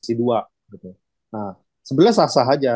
sebenernya sah sah aja